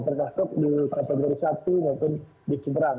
terdapat di kategori satu mungkin di seberang